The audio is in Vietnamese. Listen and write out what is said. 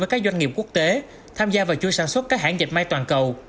với các doanh nghiệp quốc tế tham gia và chui sản xuất các hãng dệt may toàn cầu